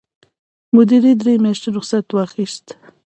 مدیرې درې میاشتې رخصت واخیست.